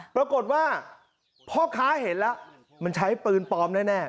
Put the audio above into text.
ปรากฏว่าพ่อค้าเห็นแล้วมันใช้ปืนปลอมแน่